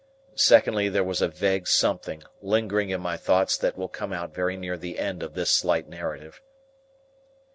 Secondly, there was a vague something lingering in my thoughts that will come out very near the end of this slight narrative.